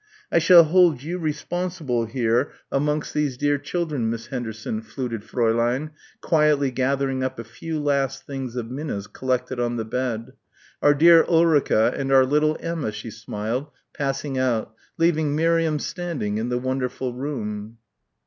"I shall hold you responsible here amongst these dear children, Miss Henderson," fluted Fräulein, quietly gathering up a few last things of Minna's collected on the bed, "our dear Ulrica and our little Emma," she smiled, passing out, leaving Miriam standing in the wonderful room.